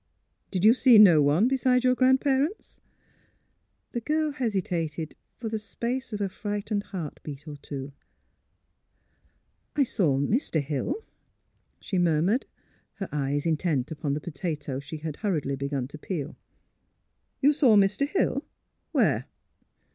^' Did you see no one besides your grand parents? " The girl hesitated for the space of a frightened heart beat or two. '' I saw — Mr. Hill," she murmured, her eyes intent upon the potatoes she had hurriedly begun to peel. '' You saw Mr. Hill? ... Where?